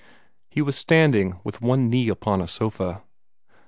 He was standing with one knee upon a sofa.